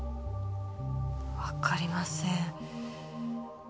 わかりません。